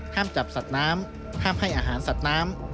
จับสัตว์น้ำห้ามให้อาหารสัตว์น้ำ